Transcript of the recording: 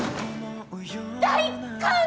大歓迎！